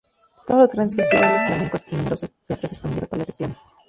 Todos los grandes festivales flamencos y numerosos teatros de España y Europa le reclaman.